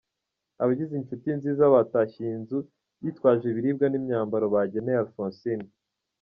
Abagize Inshuti nziza batashye iyi nzu bitwaje ibiribwa n’imyambaro bageneye Alphonsine.